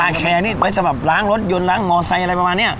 แคร์นี่ไว้สำหรับล้างรถยนต์ล้างมอไซค์อะไรประมาณนี้